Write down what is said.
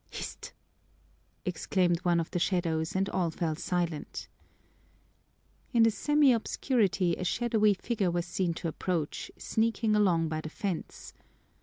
"Hist!" exclaimed one of the shadows, and all fell silent. In the semi obscurity a shadowy figure was seen to approach, sneaking along by the fence.